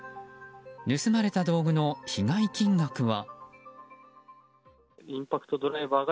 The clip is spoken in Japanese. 盗まれた道具の被害金額は。